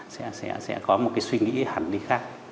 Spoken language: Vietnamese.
sẽ có một cái suy nghĩ hẳn đi khác